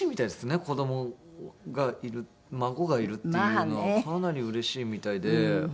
子どもがいる孫がいるっていうのはかなりうれしいみたいで。